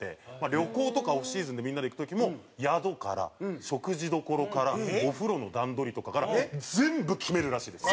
旅行とかオフシーズンでみんなで行く時も宿から食事どころからお風呂の段取りとかから全部決めるらしいです